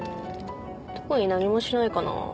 特に何もしないかな。